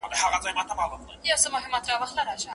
ولې په څېړنه کي مزاجي یووالی دومره ډېر مهم دی؟